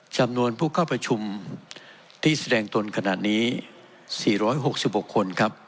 จำนวนผู้เข้าประชุมที่แสดงตนขนาดนี้๔๖๖คนครับ